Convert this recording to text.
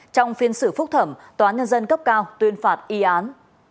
trong phiên xử phúc thẩm tòa nhân dân cấp cao tuyên phạt y án